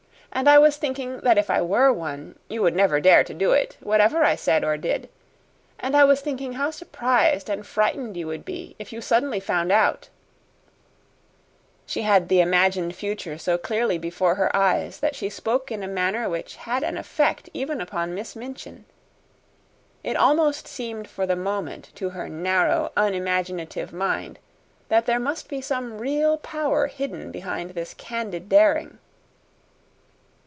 And I was thinking that if I were one, you would never dare to do it, whatever I said or did. And I was thinking how surprised and frightened you would be if you suddenly found out " She had the imagined future so clearly before her eyes that she spoke in a manner which had an effect even upon Miss Minchin. It almost seemed for the moment to her narrow, unimaginative mind that there must be some real power hidden behind this candid daring.